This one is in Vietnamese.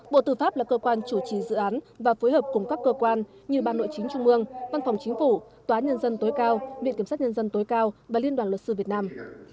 bộ tư pháp là cơ quan chủ trì dự án và phối hợp cùng các cơ quan như ban nội chính trung mương văn phòng chính phủ tòa án nhân dân tối cao viện kiểm sát nhân dân tối cao và liên đoàn luật sư việt nam